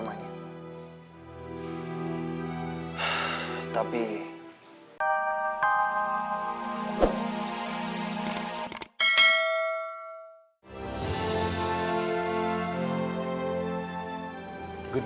emang gak boleh